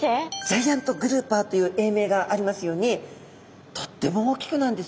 ジャイアント・グルーパーという英名がありますようにとっても大きくなるんですね。